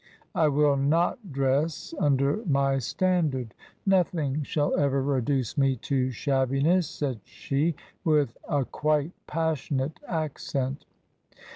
" I will not dress under my standard. Nothing shall ever reduce me to shabbiness," said she, with a quite passionate accent.